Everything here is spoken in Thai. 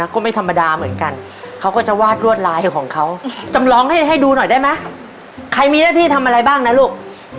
ใครมีหน้าที่ทำอะไรบ้างนะลูก